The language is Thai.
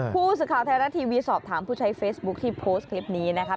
ผู้สื่อข่าวไทยรัฐทีวีสอบถามผู้ใช้เฟซบุ๊คที่โพสต์คลิปนี้นะคะ